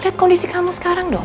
lihat kondisi kamu sekarang dong